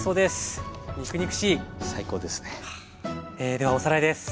ではおさらいです。